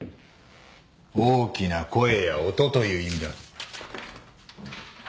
大きな声や音という意味だ。